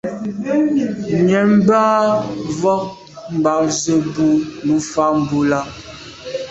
Nyəèm bə́ â mvɔ̂k mbàp zə̄ bú nǔ fá mbrʉ́ lɑ́.